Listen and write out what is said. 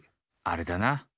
あれだな！